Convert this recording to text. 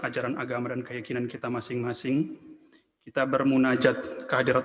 ajaran agama dan keyakinan kita masing masing kita bermunajat kehadiran